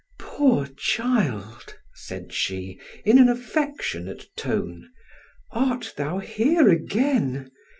"Poor child!" said she, in an affectionate tone, "art thou here again?